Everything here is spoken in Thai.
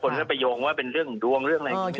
คนก็ไปโยงว่าเป็นเรื่องดวงเรื่องอะไร